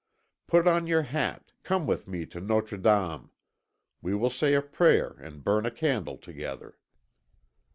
Put on your hat, come with me to Nôtre Dame. We will say a prayer and burn a candle together."